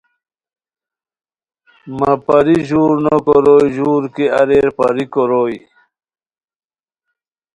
مہ پری ژور نو کوروئے ژور کی اریر پری کوروئے